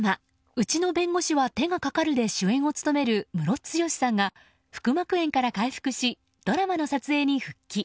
「うちの弁護士は手がかかる」で主演を務めるムロツヨシさんが腹膜炎から回復しドラマの撮影に復帰。